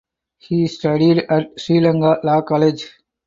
He studied at Sri Lanka Law College.